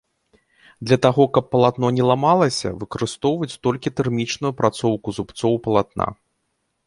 Для таго, каб палатно не ламалася, выкарыстоўваюць толькі тэрмічную апрацоўку зубцоў палатна.